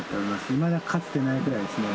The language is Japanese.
いまだかつてないぐらいですね。